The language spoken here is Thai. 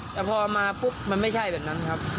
แต่พอมาปุ๊บมันไม่ใช่แบบนั้นครับ